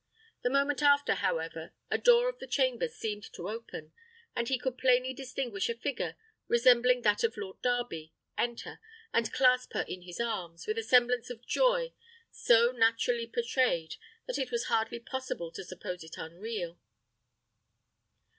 The moment after, however, a door of the chamber seemed to open, and he could plainly distinguish a figure, resembling that of Lord Darby, enter, and clasp her in his arms, with a semblance of joy so naturally portrayed, that it was hardly possible to suppose it unreal.